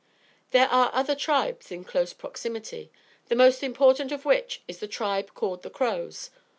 There are other tribes in close proximity, the most important of which is the tribe called the Crows.